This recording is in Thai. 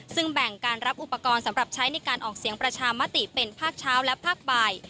ซึ่งแบ่งการรับอุปกรณ์สำหรับใช้ในการออกเสียงประชามติเป็นภาคเช้าและภาคบ่าย